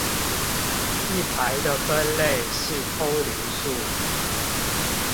一排的分類是通靈術